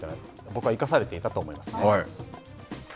僕は生かされていたと思いますよね。